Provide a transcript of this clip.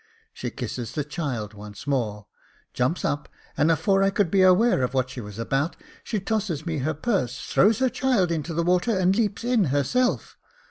She kisses the child once more, jumps up, and afore I could be aware of what she was about, she tosses me her purse, throws her child into the water, and leaps in her self.